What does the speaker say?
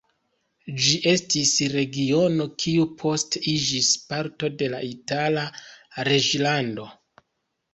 Ĝi estis regiono, kiu poste iĝis parto de la Itala reĝlando.